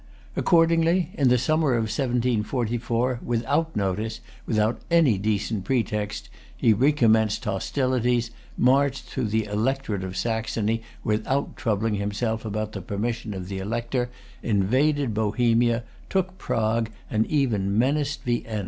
Accordingly in the autumn of 1744, without notice, without any decent pretext, he recommenced hostilities, marched[Pg 269] through the electorate of Saxony without troubling himself about the permission of the Elector, invaded Bohemia, took Prague, and even menaced Vienna.